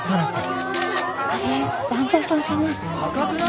あれ旦那さんかな？